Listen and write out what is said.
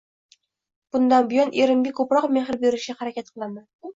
Bundan buyon erimga ko`proq mehr berishga harakat qilaman